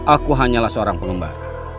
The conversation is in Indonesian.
aku hanyalah seorang penumbar